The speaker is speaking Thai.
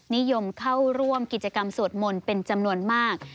นิยมเข้าร่วมกิจกรรมสวดมนต์เป็นจำนวนมาก